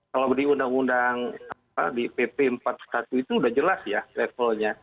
kalau di undang undang di pp empat puluh satu itu sudah jelas ya levelnya